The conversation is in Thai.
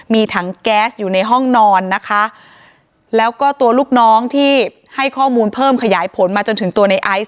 มีถังแก๊สอยู่ในห้องนอนนะคะแล้วก็ตัวลูกน้องที่ให้ข้อมูลเพิ่มขยายผลมาจนถึงตัวในไอซ์